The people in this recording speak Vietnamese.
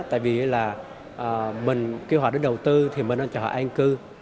tại vì là mình kêu họ đến đầu tư thì mình nên cho họ an cư